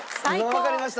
わかりました。